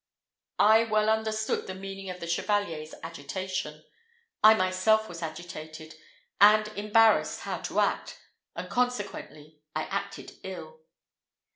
I well understood the meaning of the Chevalier's agitation; I myself was agitated, and embarrassed how to act, and consequently I acted ill.